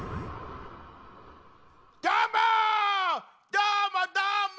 どーもどーも！